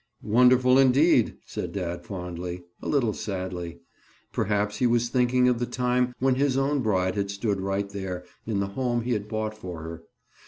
"Wonderful, indeed," said dad fondly, a little sadly. Perhaps he was thinking of the time when his own bride had stood right there, in the home he had bought for her.